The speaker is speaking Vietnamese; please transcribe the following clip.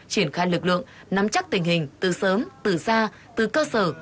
triển khai lực lượng nắm chắc tình hình từ sớm từ xa từ cơ sở